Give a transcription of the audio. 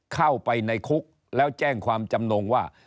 เข้าไปในคุกแล้วแจ้งความจำนงว่า